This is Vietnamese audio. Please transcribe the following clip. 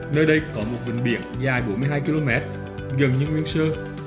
nơi đây có một vịnh biển dài bốn mươi hai km gần như nguyên sơ